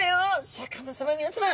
シャーク香音さま皆さま！